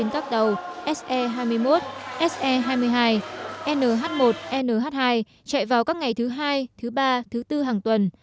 các tàu se hai mươi một se hai mươi hai nh một nh hai chạy vào các ngày thứ hai thứ ba thứ bốn hàng tuần